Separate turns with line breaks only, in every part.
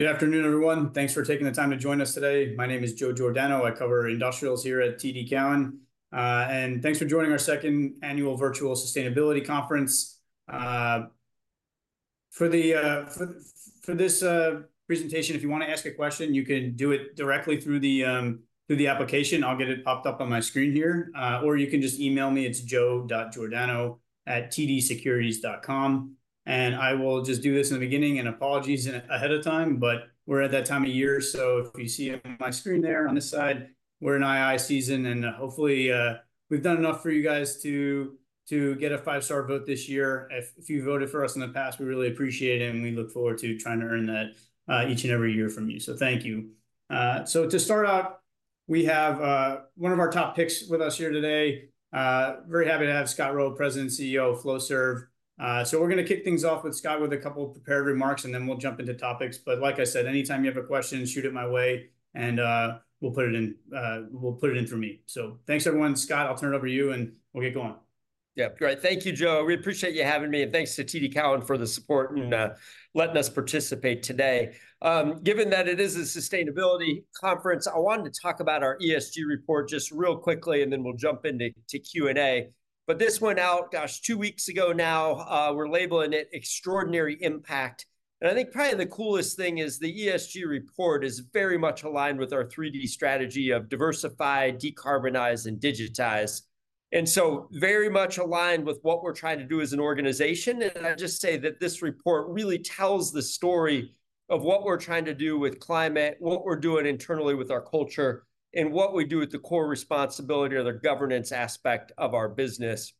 Good afternoon, everyone. Thanks for taking the time to join us today. My name is Joe Giordano. I cover industrials here at TD Cowen. Thanks for joining our second annual virtual sustainability conference. For this presentation, if you wanna ask a question, you can do it directly through the application, I'll get it popped up on my screen here. Or you can just email me, it's joe.giordano@tdsecurities.com, and I will just do this in the beginning, and apologies ahead of time, but we're at that time of year, so if you see on my screen there on this side, we're in II season. Hopefully, we've done enough for you guys to get a five-star vote this year. If you voted for us in the past, we really appreciate it, and we look forward to trying to earn that each and every year from you, so thank you. So to start out, we have one of our top picks with us here today. Very happy to have Scott Rowe, President and CEO of Flowserve. So we're gonna kick things off with Scott with a couple of prepared remarks, and then we'll jump into topics. But like I said, anytime you have a question, shoot it my way, and we'll put it in for me. So thanks everyone. Scott, I'll turn it over to you, and we'll get going.
Yeah, great. Thank you, Joe. We appreciate you having me, and thanks to TD Cowen for the support and letting us participate today. Given that it is a sustainability conference, I wanted to talk about our ESG report just real quickly, and then we'll jump into Q&A. But this went out, gosh, two weeks ago now. We're labeling it Extraordinary Impact, and I think probably the coolest thing is the ESG report is very much aligned with our 3D strategy of diversify, decarbonize, and digitize. And so very much aligned with what we're trying to do as an organization, and I'd just say that this report really tells the story of what we're trying to do with climate, what we're doing internally with our culture, and what we do with the core responsibility or the governance aspect of our business.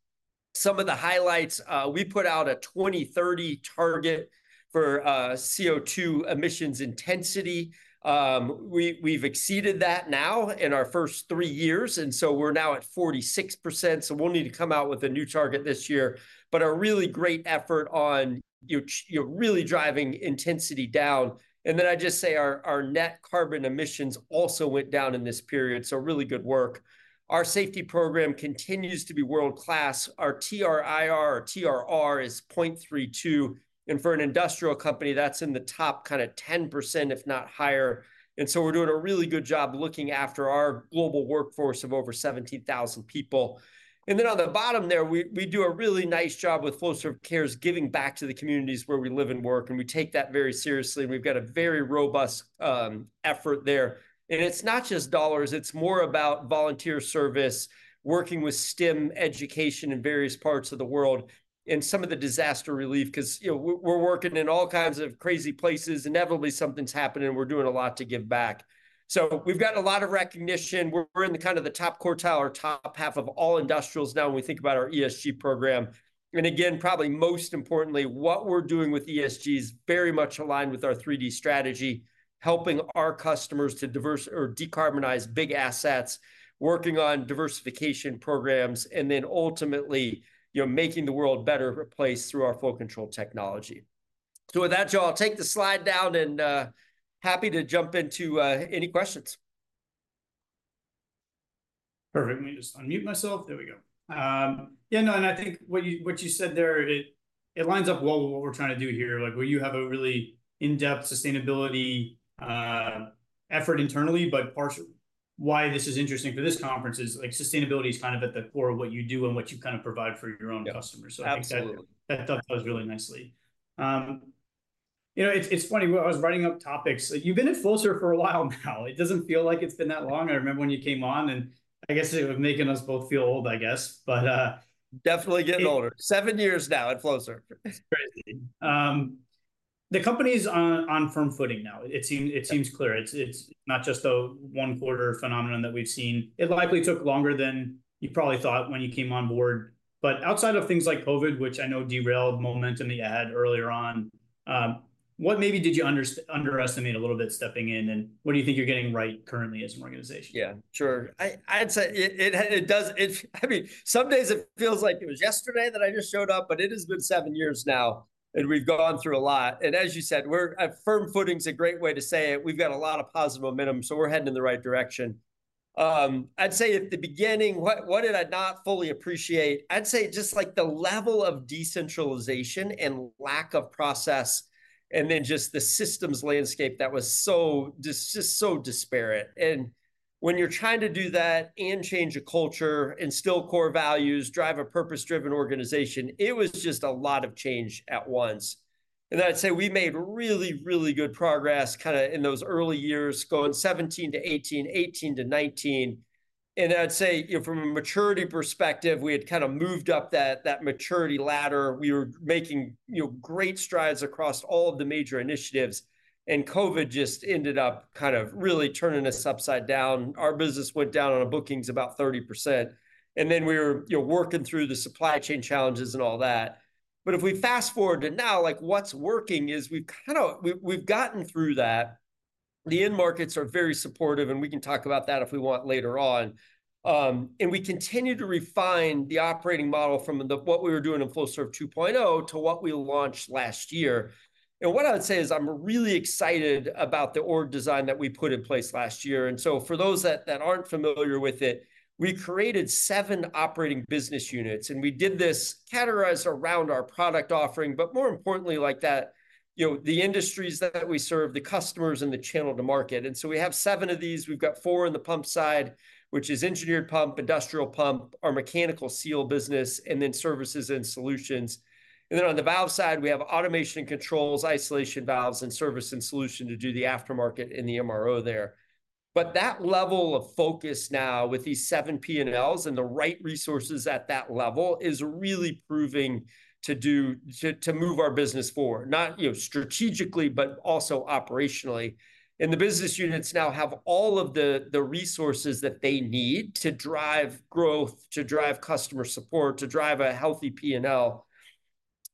Some of the highlights, we put out a 2030 target for CO2 emissions intensity. We, we've exceeded that now in our first three years, and so we're now at 46%, so we'll need to come out with a new target this year. But a really great effort on, you're really driving intensity down. And then I'd just say our, our net carbon emissions also went down in this period, so really good work. Our safety program continues to be world-class. Our TRIR or TRR is 0.32, and for an industrial company, that's in the top kinda 10%, if not higher, and so we're doing a really good job looking after our global workforce of over 17,000 people. And then on the bottom there, we do a really nice job with Flowserve Cares, giving back to the communities where we live and work, and we take that very seriously, and we've got a very robust effort there. And it's not just dollars, it's more about volunteer service, working with STEM education in various parts of the world, and some of the disaster relief, 'cause, you know, we're working in all kinds of crazy places. Inevitably, something's happening, and we're doing a lot to give back. So we've gotten a lot of recognition. We're in the kind of the top quartile or top half of all industrials now when we think about our ESG program. And again, probably most importantly, what we're doing with ESG is very much aligned with our 3D strategy, helping our customers to diversify or decarbonize big assets, working on diversification programs, and then ultimately, you know, making the world a better place through our flow control technology. So with that, y'all, I'll take the slide down, and happy to jump into any questions.
Perfect. Let me just unmute myself. There we go. Yeah, no, and I think what you, what you said there, it, it lines up well with what we're trying to do here. Like, where you have a really in-depth sustainability effort internally, but part of why this is interesting for this conference is, like, sustainability is kind of at the core of what you do and what you kind of provide for your own-
Yeah
Customers.
Absolutely.
So I think that, that does really nicely. You know, it's, it's funny, when I was writing up topics, you've been at Flowserve for a while now. It doesn't feel like it's been that long. I remember when you came on, and I guess it was making us both feel old, I guess. But,
Definitely getting older.
It-
Seven years now at Flowserve.
It's crazy. The company's on firm footing now. It seems clear. It's not just a one-quarter phenomenon that we've seen. It likely took longer than you probably thought when you came on board. But outside of things like COVID, which I know derailed momentum that you had earlier on, what maybe did you underestimate a little bit stepping in, and what do you think you're getting right currently as an organization?
Yeah, sure. I'd say it does. I mean, some days it feels like it was yesterday that I just showed up, but it has been 7 years now, and we've gone through a lot. And as you said, we're at firm footing is a great way to say it. We've got a lot of positive momentum, so we're heading in the right direction. I'd say at the beginning, what did I not fully appreciate? I'd say just, like, the level of decentralization and lack of process, and then just the systems landscape that was so disparate. And when you're trying to do that and change a culture, instill core values, drive a purpose-driven organization, it was just a lot of change at once. And I'd say we made really, really good progress kinda in those early years, going 2017 to 2018, 2018 to 2019, and I'd say, you know, from a maturity perspective, we had kinda moved up that, that maturity ladder. We were making, you know, great strides across all of the major initiatives, and COVID just ended up kind of really turning us upside down. Our business went down on our bookings about 30%, and then we were, you know, working through the supply chain challenges and all that. But if we fast-forward to now, like, what's working is we've kind of gotten through that the end markets are very supportive, and we can talk about that if we want later on. And we continue to refine the operating model from the, what we were doing in Flowserve 2.0 to what we launched last year. What I would say is I'm really excited about the org design that we put in place last year. So for those that aren't familiar with it, we created seven operating business units, and we did this categorized around our product offering, but more importantly, like that, you know, the industries that we serve, the customers, and the channel to market. We have seven of these. We've got four in the pump side, which is engineered pump, industrial pump, our mechanical seal business, and then services and solutions. On the valve side, we have automation and controls, isolation valves, and services and solutions to do the aftermarket and the MRO there. But that level of focus now with these seven P&Ls and the right resources at that level is really proving to move our business forward, not, you know, strategically, but also operationally. And the business units now have all of the resources that they need to drive growth, to drive customer support, to drive a healthy P&L.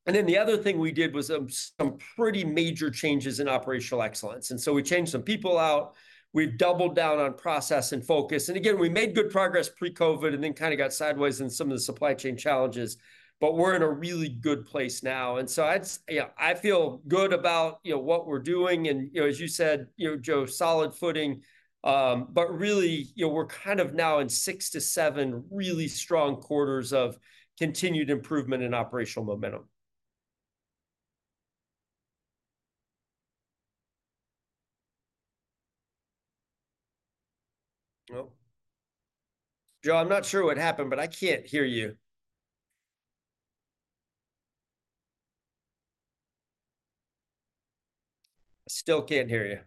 And then the other thing we did was some pretty major changes in operational excellence, and so we changed some people out. We've doubled down on process and focus, and again, we made good progress pre-COVID and then kinda got sideways in some of the supply chain challenges, but we're in a really good place now. And so I feel good about, you know, what we're doing, and, you know, as you said, you know, Joe, solid footing. But really, you know, we're kind of now in 6-7 really strong quarters of continued improvement and operational momentum. Well, Joe, I'm not sure what happened, but I can't hear you. I still can't hear you....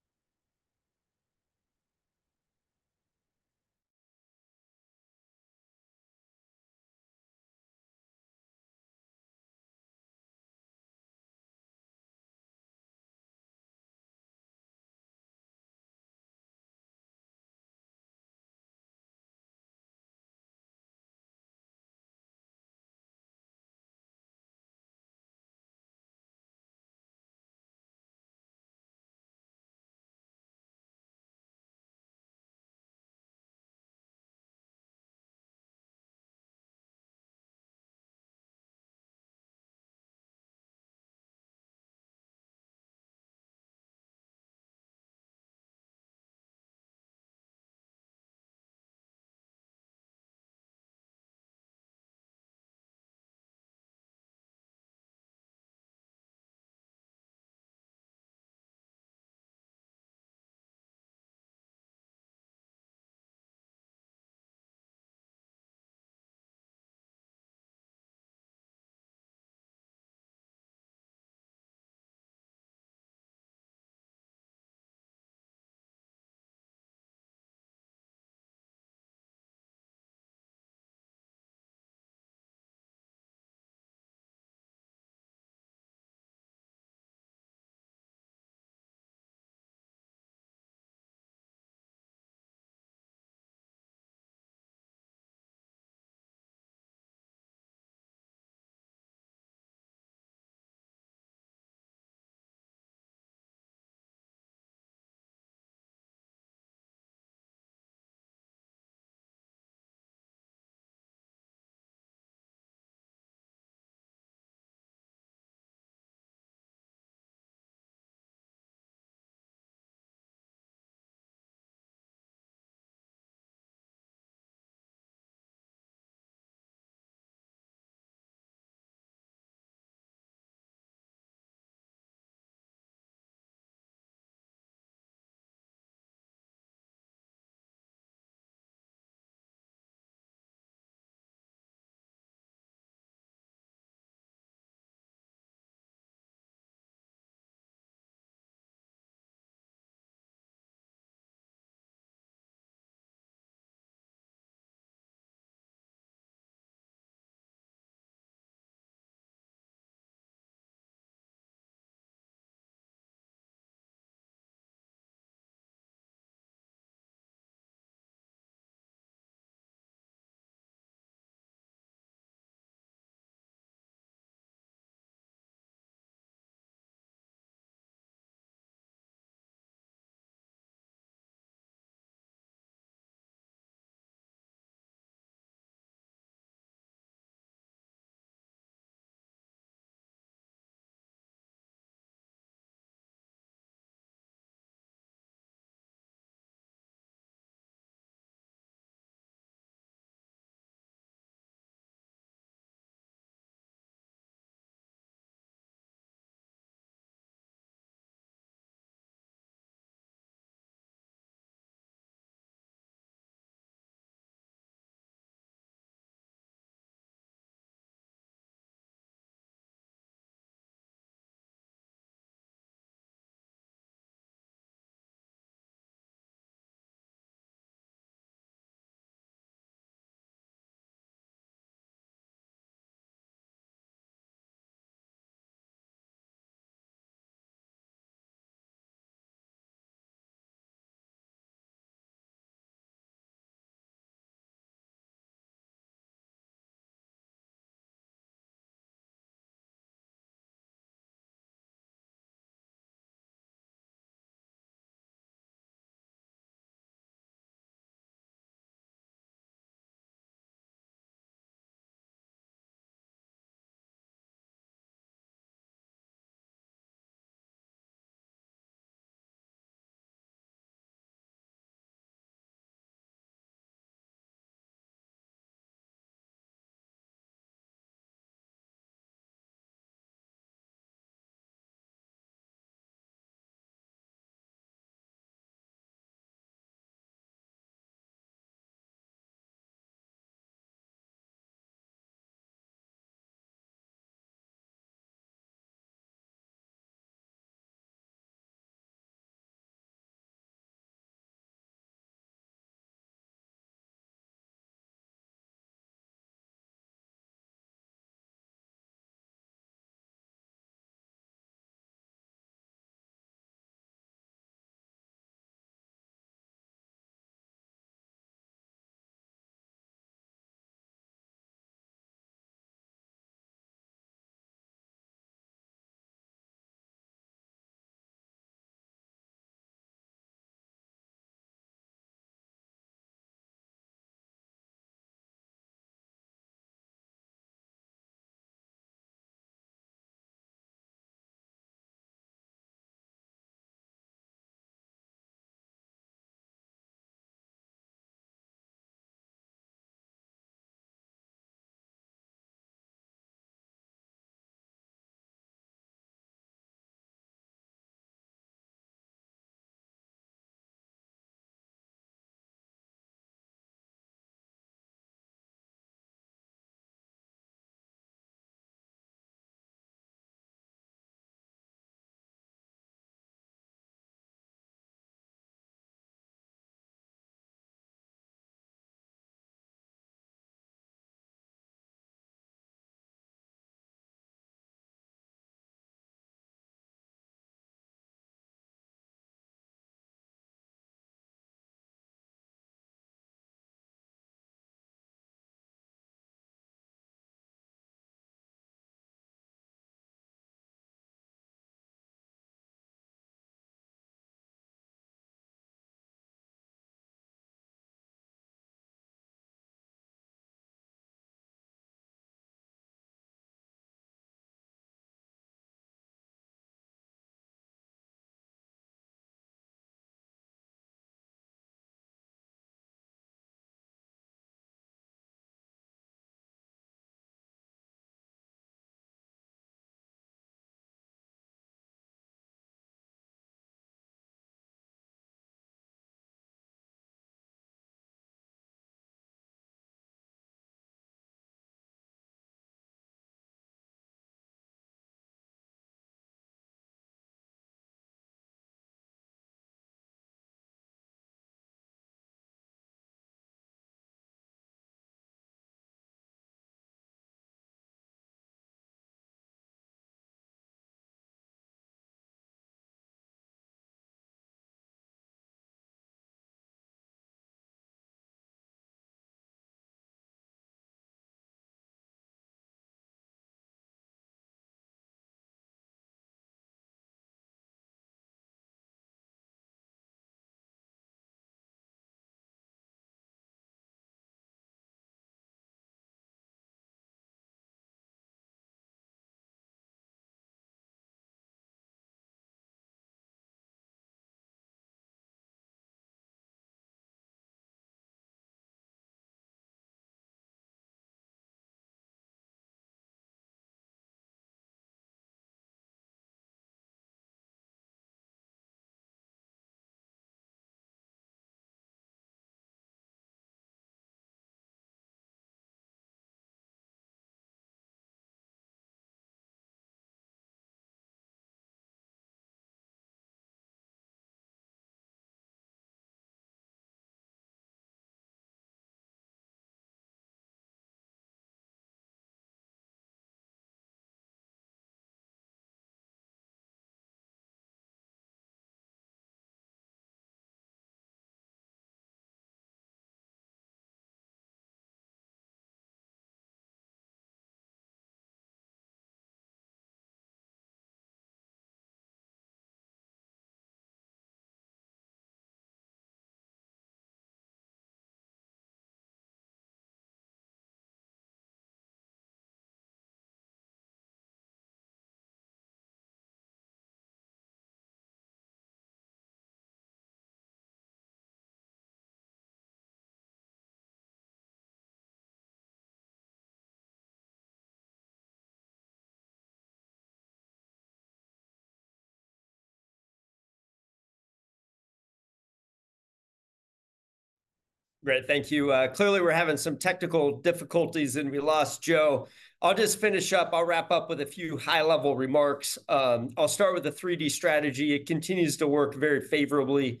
Great, thank you. Clearly, we're having some technical difficulties, and we lost Joe. I'll just finish up. I'll wrap up with a few high-level remarks. I'll start with the 3D strategy. It continues to work very favorably.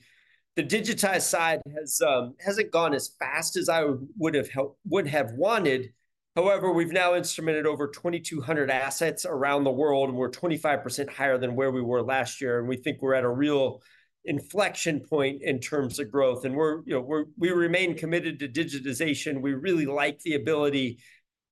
The digitized side has, hasn't gone as fast as I would have wanted. However, we've now instrumented over 2,200 assets around the world, and we're 25% higher than where we were last year, and we think we're at a real inflection point in terms of growth. And we're, you know, we remain committed to digitization. We really like the ability to-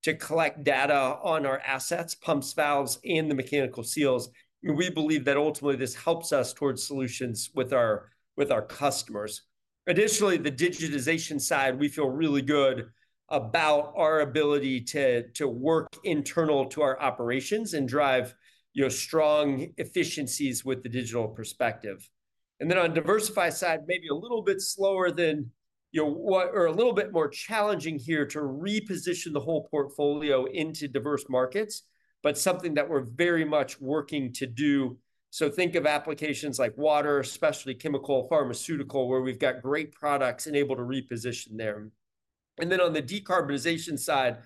to collect data on our assets, pumps, valves, and the mechanical seals. And we believe that ultimately this helps us towards solutions with our, with our customers. Additionally, the digitization side, we feel really good about our ability to, to work internal to our operations and drive, you know, strong efficiencies with the digital perspective. And then on diversify side, maybe a little bit slower than, you know, or a little bit more challenging here to reposition the whole portfolio into diverse markets, but something that we're very much working to do. So think of applications like water, specialty chemical, pharmaceutical, where we've got great products and able to reposition there. And then on the decarbonization side,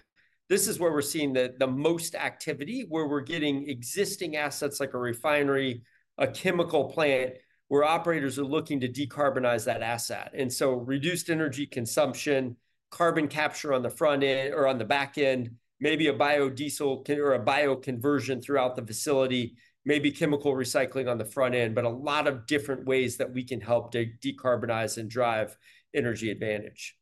this is where we're seeing the, the most activity, where we're getting existing assets like a refinery, a chemical plant, where operators are looking to decarbonize that asset. And so reduced energy consumption, carbon capture on the front end or on the back end, maybe a biodiesel or a bioconversion throughout the facility, maybe chemical recycling on the front end, but a lot of different ways that we can help to decarbonize and drive Energy Advantage.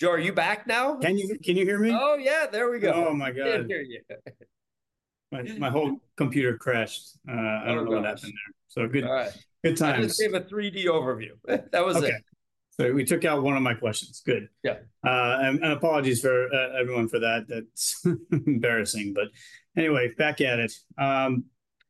Joe, are you back now?
Can you, can you hear me?
Oh, yeah, there we go!
Oh, my God!
I can hear you.
My, my whole computer crashed.
Oh, gosh
I don't know what happened there. So good-
All right
Good timing.
I just gave a 3D overview. That was it.
Okay. So we took out one of my questions. Good.
Yeah.
Apologies for everyone for that. That's embarrassing, but anyway, back at it.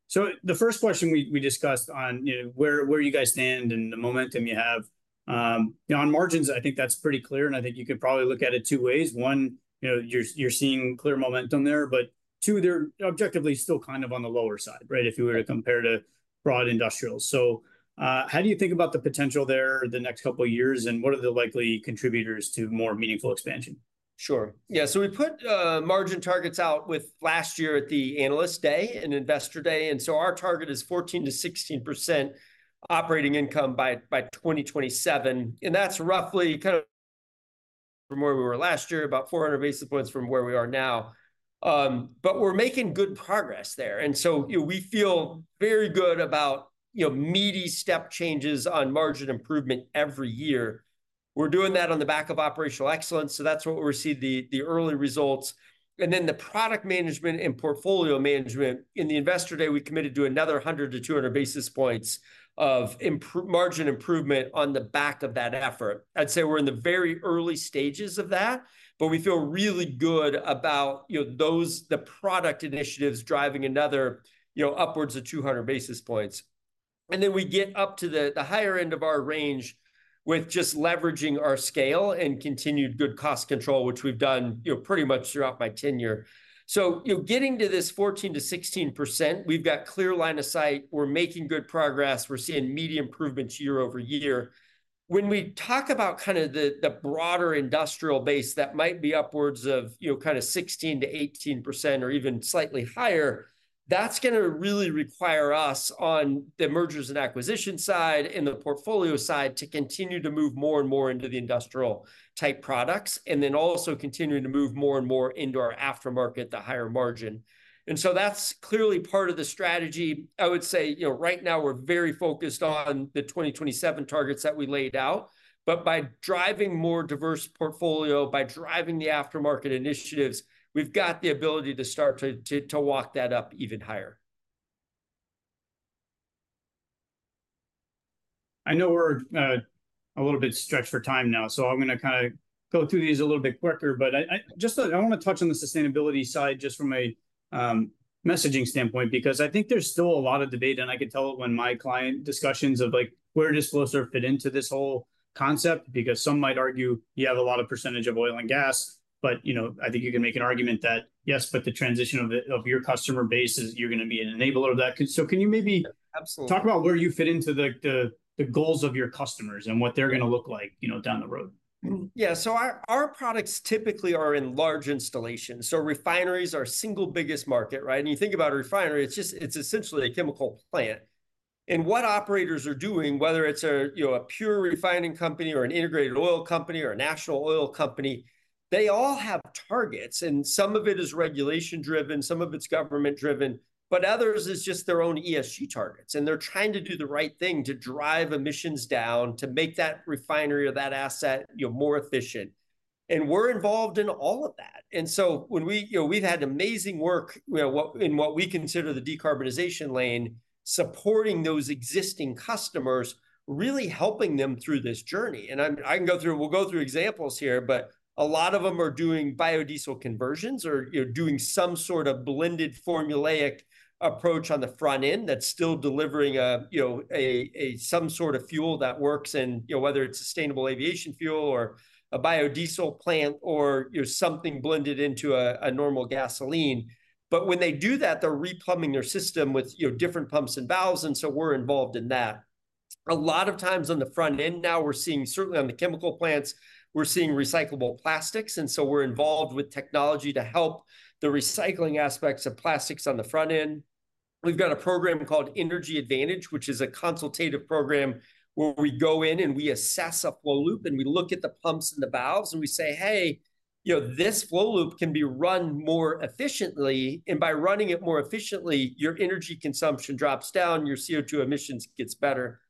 So the first question we discussed on, you know, where you guys stand and the momentum you have. On margins, I think that's pretty clear, and I think you could probably look at it two ways. One, you know, you're seeing clear momentum there, but two, they're objectively still kind of on the lower side, right? If you were to compare to broad industrials. So, how do you think about the potential there the next couple of years, and what are the likely contributors to more meaningful expansion?
Sure. Yeah, so we put margin targets out with last year at the Analyst Day and Investor Day, and so our target is 14%-16% operating income by 2027, and that's roughly kind of from where we were last year, about 400 basis points from where we are now. But we're making good progress there. And so, you know, we feel very good about, you know, meaty step changes on margin improvement every year. We're doing that on the back of operational excellence, so that's what we see the early results. And then the product management and portfolio management, in the Investor Day, we committed to another 100-200 basis points of margin improvement on the back of that effort. I'd say we're in the very early stages of that, but we feel really good about, you know, those, the product initiatives driving another, you know, upwards of 200 basis points. And then we get up to the, the higher end of our range with just leveraging our scale and continued good cost control, which we've done, you know, pretty much throughout my tenure. So, you know, getting to this 14%-16%, we've got clear line of sight. We're making good progress. We're seeing meaty improvements year-over-year. When we talk about kind of the broader industrial base, that might be upwards of, you know, kind of 16%-18% or even slightly higher, that's gonna really require us on the mergers and acquisition side and the portfolio side, to continue to move more and more into the industrial-type products, and then also continuing to move more and more into our aftermarket, the higher margin. So that's clearly part of the strategy. I would say, you know, right now we're very focused on the 2027 targets that we laid out, but by driving more diverse portfolio, by driving the aftermarket initiatives, we've got the ability to start to walk that up even higher.
I know we're a little bit stretched for time now, so I'm gonna kind of go through these a little bit quicker, but I just wanna touch on the sustainability side, just from a messaging standpoint, because I think there's still a lot of debate, and I could tell it when my client discussions of like, where does Flowserve fit into this whole concept? Because some might argue you have a lot of percentage of oil and gas, but, you know, I think you can make an argument that, yes, but the transition of your customer base is you're gonna be an enabler of that. So can you maybe-
Absolutely.
Talk about where you fit into the goals of your customers and what they're gonna look like, you know, down the road?
Yeah. So our, our products typically are in large installations, so refineries are our single biggest market, right? When you think about a refinery, it's just, it's essentially a chemical plant. And what operators are doing, whether it's you know, a pure refining company or an integrated oil company or a national oil company, they all have targets, and some of it is regulation-driven, some of it's government-driven, but others, it's just their own ESG targets, and they're trying to do the right thing to drive emissions down, to make that refinery or that asset, you know, more efficient. And we're involved in all of that. And so when we, you know, we've had amazing work, you know, in what we consider the decarbonization lane, supporting those existing customers, really helping them through this journey. I can go through, we'll go through examples here, but a lot of them are doing biodiesel conversions or, you know, doing some sort of blended formulaic approach on the front end that's still delivering a, you know, some sort of fuel that works. And, you know, whether it's sustainable aviation fuel or a biodiesel plant or, you know, something blended into a normal gasoline. But when they do that, they're replumbing their system with, you know, different pumps and valves, and so we're involved in that. A lot of times on the front end now, we're seeing, certainly on the chemical plants, we're seeing recyclable plastics, and so we're involved with technology to help the recycling aspects of plastics on the front end. We've got a program called Energy Advantage, which is a consultative program where we go in and we assess a flow loop, and we look at the pumps and the valves, and we say, "Hey, you know, this flow loop can be run more efficiently, and by running it more efficiently, your energy consumption drops down, your CO2 emissions gets better."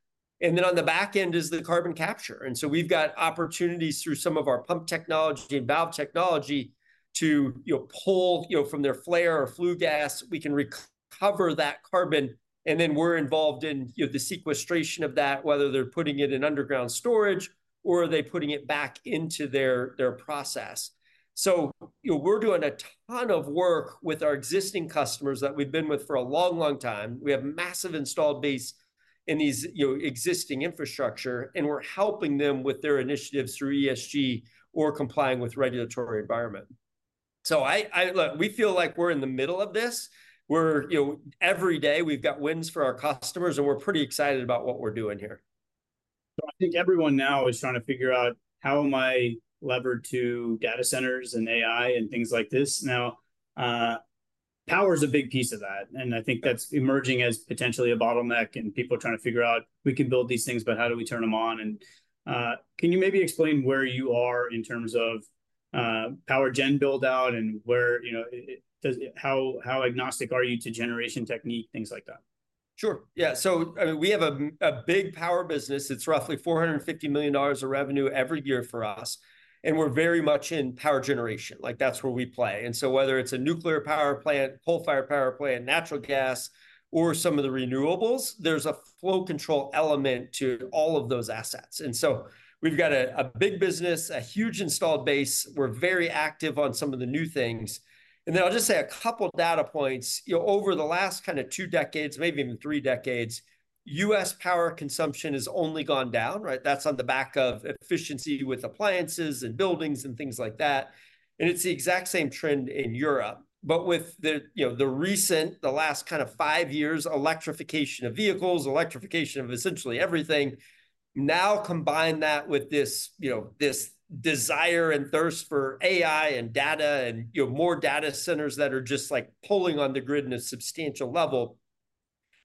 and then on the back end is the carbon capture. And so we've got opportunities through some of our pump technology and valve technology to, you know, pull, you know, from their flare or flue gas. We can recover that carbon, and then we're involved in, you know, the sequestration of that, whether they're putting it in underground storage, or are they putting it back into their, their process. So, you know, we're doing a ton of work with our existing customers that we've been with for a long, long time. We have massive installed base in these, you know, existing infrastructure, and we're helping them with their initiatives through ESG or complying with regulatory environment. Look, we feel like we're in the middle of this, where, you know, every day we've got wins for our customers, and we're pretty excited about what we're doing here.
So I think everyone now is trying to figure out, how am I levered to data centers and AI and things like this? Now, power is a big piece of that, and I think that's emerging as potentially a bottleneck and people trying to figure out, we can build these things, but how do we turn them on? And, can you maybe explain where you are in terms of, power gen build-out and where, you know, how, how agnostic are you to generation technique, things like that?
Sure. Yeah, so, I mean, we have a, a big power business. It's roughly $450 million of revenue every year for us, and we're very much in power generation, like, that's where we play. And so whether it's a nuclear power plant, coal-fired power plant, natural gas, or some of the renewables, there's a flow control element to all of those assets. And so we've got a, a big business, a huge installed base. We're very active on some of the new things. And then I'll just say a couple data points. You know, over the last kinda 2 decades, maybe even 3 decades, U.S. power consumption has only gone down, right? That's on the back of efficiency with appliances and buildings and things like that, and it's the exact same trend in Europe. But with the, you know, the recent, the last kinda 5 years, electrification of vehicles, electrification of essentially everything, now combine that with this, you know, this desire and thirst for AI and data and, you know, more data centers that are just, like, pulling on the grid in a substantial level.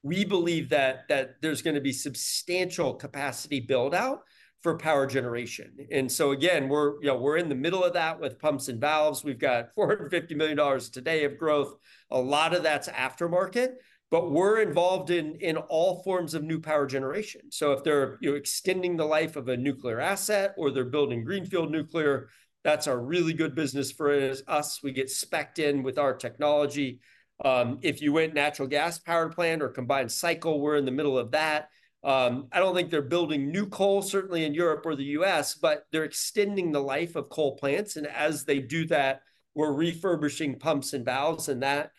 We believe that, that there's gonna be substantial capacity build-out for power generation. And so again, we're, you know, we're in the middle of that with pumps and valves. We've got $450 million today of growth. A lot of that's aftermarket, but we're involved in, in all forms of new power generation. So if they're, you know, extending the life of a nuclear asset, or they're building greenfield nuclear, that's a really good business for us. We get spec'd in with our technology. If you went natural gas power plant or combined cycle, we're in the middle of that. I don't think they're building new coal, certainly in Europe or the U.S., but they're extending the life of coal plants, and as they do that, we're refurbishing pumps and valves and that.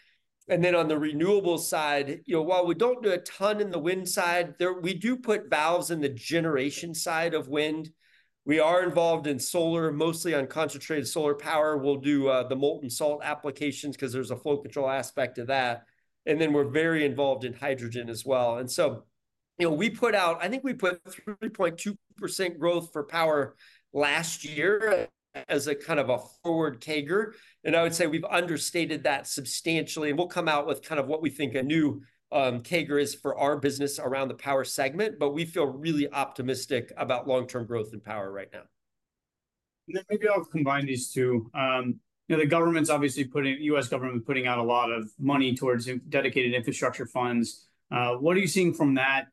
And then on the renewables side, you know, while we don't do a ton in the wind side, there we do put valves in the generation side of wind. We are involved in solar, mostly on concentrated solar power. We'll do the molten salt applications, 'cause there's a flow control aspect to that, and then we're very involved in hydrogen as well. And so, you know, we put out I think we put 3.2% growth for power last year as a kind of a forward CAGR, and I would say we've understated that substantially. We'll come out with kind of what we think a new CAGR is for our business around the power segment, but we feel really optimistic about long-term growth and power right now.
And then maybe I'll combine these two. You know, the government's obviously putting out a lot of money towards dedicated infrastructure funds. What are you seeing from that?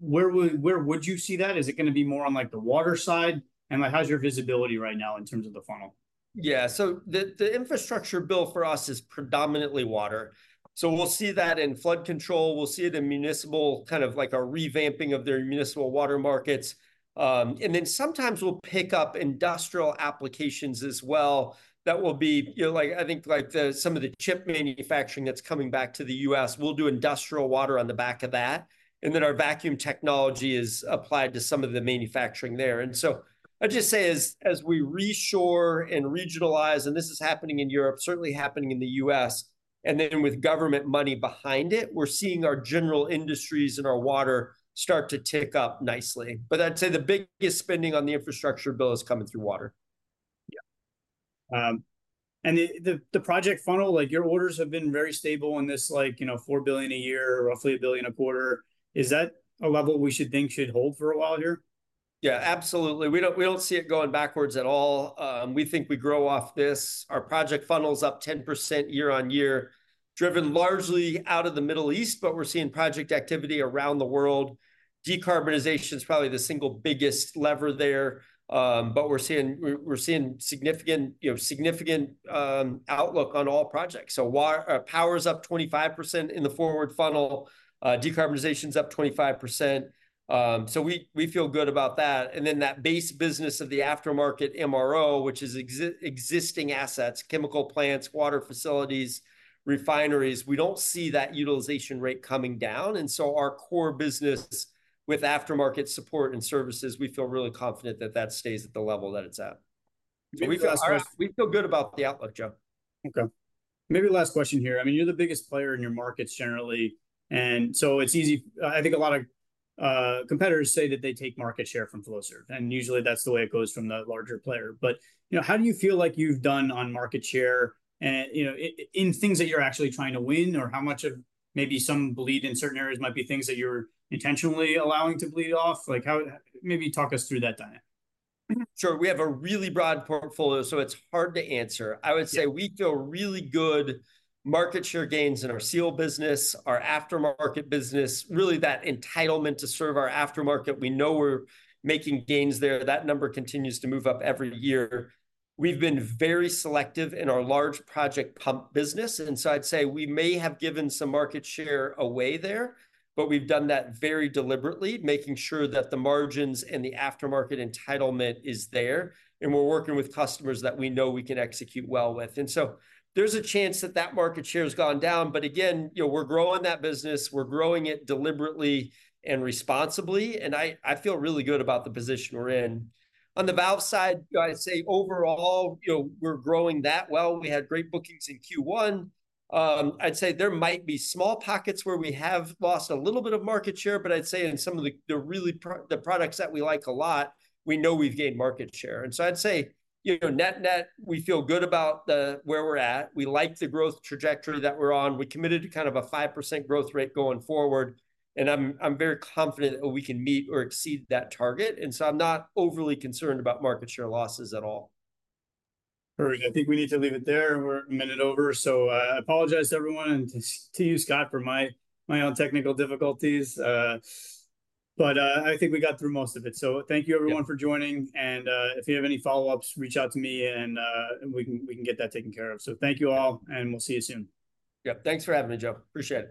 Where would you see that? Is it gonna be more on, like, the water side? Like, how's your visibility right now in terms of the funnel?
Yeah, so the infrastructure bill for us is predominantly water. So we'll see that in flood control, we'll see it in municipal, kind of like a revamping of their municipal water markets. And then sometimes we'll pick up industrial applications as well that will be... you know, like, I think, like some of the chip manufacturing that's coming back to the U.S., we'll do industrial water on the back of that, and then our vacuum technology is applied to some of the manufacturing there. And so I'd just say, as we reshore and regionalize, and this is happening in Europe, certainly happening in the U.S., and then with government money behind it, we're seeing our general industries and our water start to tick up nicely. But I'd say the biggest spending on the infrastructure bill is coming through water.
Yeah. And the project funnel, like, your orders have been very stable in this, like, you know, $4 billion a year, roughly $1 billion a quarter. Is that a level we should think should hold for a while here?
Yeah, absolutely. We don't, we don't see it going backwards at all. We think we grow off this. Our project funnel's up 10% year-on-year, driven largely out of the Middle East, but we're seeing project activity around the world. Decarbonization is probably the single biggest lever there, but we're seeing significant, you know, significant outlook on all projects. So power's up 25% in the forward funnel, decarbonization's up 25%. So we feel good about that. And then that base business of the aftermarket MRO, which is existing assets, chemical plants, water facilities, refineries, we don't see that utilization rate coming down. And so our core business with aftermarket support and services, we feel really confident that that stays at the level that it's at. We feel good about the outlook, Joe. Okay, maybe last question here. I mean, you're the biggest player in your markets generally, and so it's easy. I think a lot of competitors say that they take market share from Flowserve, and usually that's the way it goes from the larger player. But, you know, how do you feel like you've done on market share? And, you know, in things that you're actually trying to win, or how much of maybe some bleed in certain areas might be things that you're intentionally allowing to bleed off? Like, how. Maybe talk us through that dynamic. Sure. We have a really broad portfolio, so it's hard to answer.
Yeah.
I would say we feel really good market share gains in our seal business, our aftermarket business, really that entitlement to serve our aftermarket; we know we're making gains there. That number continues to move up every year. We've been very selective in our large project pump business, and so I'd say we may have given some market share away there, but we've done that very deliberately, making sure that the margins and the aftermarket entitlement is there, and we're working with customers that we know we can execute well with. And so there's a chance that that market share has gone down, but again, you know, we're growing that business, we're growing it deliberately and responsibly, and I, I feel really good about the position we're in. On the valve side, I'd say overall, you know, we're growing that well. We had great bookings in Q1. I'd say there might be small pockets where we have lost a little bit of market share, but I'd say in some of the, the really the products that we like a lot, we know we've gained market share. And so I'd say, you know, net-net, we feel good about the, where we're at. We like the growth trajectory that we're on. We committed to kind of a 5% growth rate going forward, and I'm, I'm very confident that we can meet or exceed that target, and so I'm not overly concerned about market share losses at all.
All right, I think we need to leave it there. We're a minute over, so I apologize to everyone, and to you, Scott, for my own technical difficulties. But I think we got through most of it.
Yeah.
Thank you everyone for joining, and if you have any follow-ups, reach out to me, and we can get that taken care of. Thank you all, and we'll see you soon.
Yep. Thanks for having me, Joe. Appreciate it.